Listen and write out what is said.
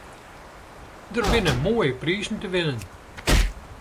Der binne moaie prizen te winnen.